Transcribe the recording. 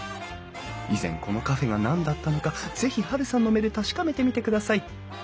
以前このカフェが何だったのかぜひハルさんの目で確かめてみてください。